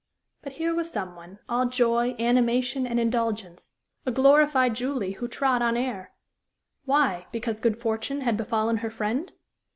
But here was some one, all joy, animation, and indulgence a glorified Julie who trod on air. Why? Because good fortune had befallen her friend?